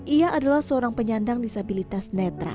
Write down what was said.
ia adalah seorang penyandang disabilitas netra